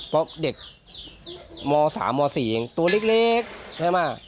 เพราะเด็กมสามมสี่ตัวเล็กเล็กใช่ไหม